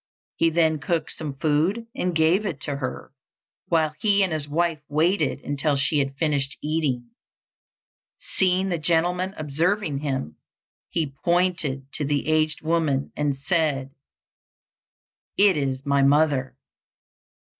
He then cooked some food and gave it to her, while he and his wife waited until she had finished eating. Seeing the gentleman observing him, he pointed to the aged woman and said, "It is my mother."